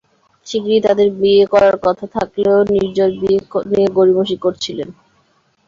শিগগিরই তাঁদের বিয়ে করার কথা থাকলেও নির্ঝর বিয়ে নিয়ে গড়িমসি করছিলেন।